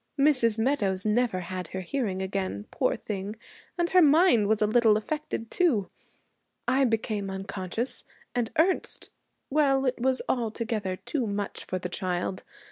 Mrs. Meadows never had her hearing again, poor thing, and her mind was a little affected too. I became unconscious, and Ernest well, it was altogether too much for the child.